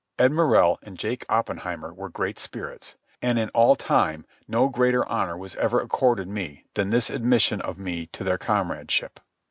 Ed Morrell and Jake Oppenheimer were great spirits, and in all time no greater honour was ever accorded me than this admission of me to their comradeship.